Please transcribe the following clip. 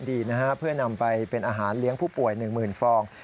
ดีนะฮะเพื่อนำไปเป็นอาหารเลี้ยงผู้ป่วย๑๐๐๐ฟอง